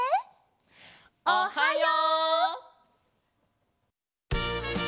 おはよう！